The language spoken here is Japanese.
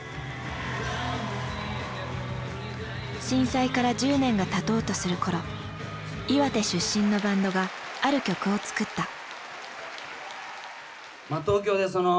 震災から１０年がたとうとする頃岩手出身のバンドがある曲を作った。